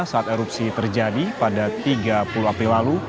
saat erupsi terjadi pada tiga puluh april lalu